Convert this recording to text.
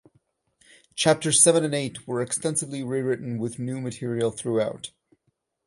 Chapters seven and eight were extensively rewritten with new material throughout.